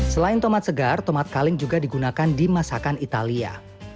selain tomat segar tomat kaleng juga digunakan di masakan italia